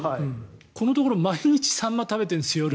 このところ毎日サンマ食べてるんです、夜。